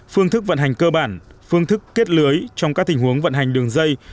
phương thức vận hành cơ bản phương thức kết lưới trong các tình huống vận hành đường dây